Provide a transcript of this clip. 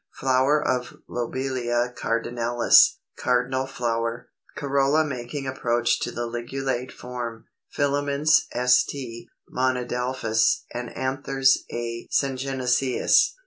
Flower of Lobelia cardinalis, Cardinal flower; corolla making approach to the ligulate form; filaments (st) monadelphous, and anthers (a) syngenesious.